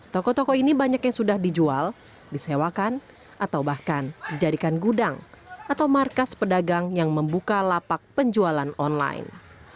toko toko ini banyak yang sudah dijual disewakan atau bahkan dijadikan gudang atau markas pedagang yang membuka lapak penjualan online